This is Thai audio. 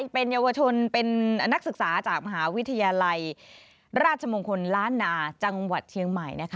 เป็นเยาวชนเป็นนักศึกษาจากมหาวิทยาลัยราชมงคลล้านนาจังหวัดเชียงใหม่